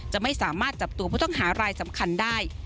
จะไม่สามารถจับตัวผู้ต้องหารายสำคัญได้